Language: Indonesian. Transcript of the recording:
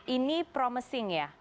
ini promising ya